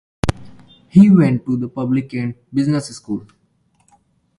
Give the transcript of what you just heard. He went to the public and business schools.